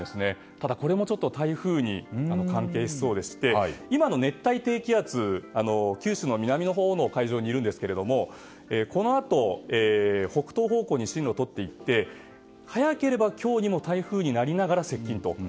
ただ、これも台風に関係しそうでして今の熱帯低気圧九州の南のほうの海上にいるんですけれどもこのあと、北東方向に進路をとっていって早ければ今日にも台風になりながら接近と。